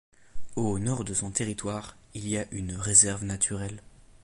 Au nord de son territoire, il y a une réserve naturelle.